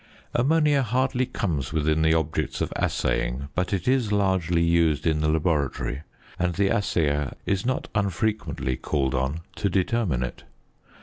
Ammonia hardly comes within the objects of assaying; but it is largely used in the laboratory, and the assayer is not unfrequently called on to determine it.